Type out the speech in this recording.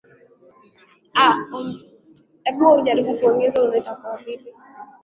hurudi duniani kama mvua ya asidi